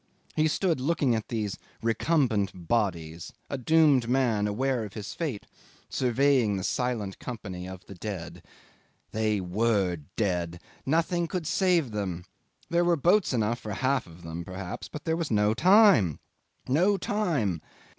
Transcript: He stood still looking at these recumbent bodies, a doomed man aware of his fate, surveying the silent company of the dead. They were dead! Nothing could save them! There were boats enough for half of them perhaps, but there was no time. No time!